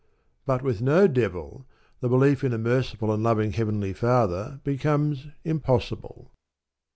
But with no Devil the belief in a merciful and loving Heavenly Father becomes impossible.